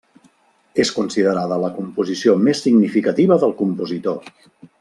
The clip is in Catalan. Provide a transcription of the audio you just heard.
És considerada la composició més significativa del compositor.